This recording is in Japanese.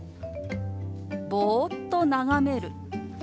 「ぼーっと眺める」。